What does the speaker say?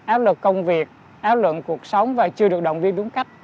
áp lực công việc áp lực cuộc sống và chưa được động viên đúng cách